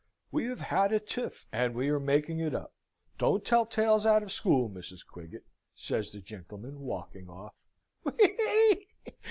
"We have had a tiff, and we are making it up! Don't tell tales out of school, Mrs. Quiggett!" says the gentleman, walking off.